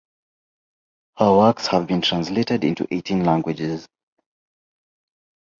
Her works have been translated into eighteen languages.